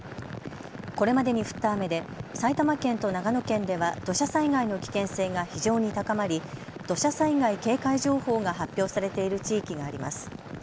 これまでに降った雨で埼玉県と長野県では土砂災害の危険性が非常に高まり土砂災害警戒情報が発表されている地域があります。